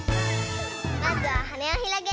まずははねをひろげるよ！